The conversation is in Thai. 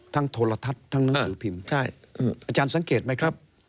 โทรทัศน์ทั้งหนังสือพิมพ์อาจารย์สังเกตไหมครับ